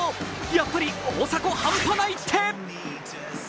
やっぱり「大迫半端ないって」！